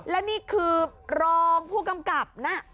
และนี่คือรองผู้กำกับนะ